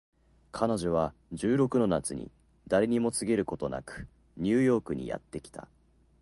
彼女は十六の夏に誰にも告げることなくニューヨークにやって来た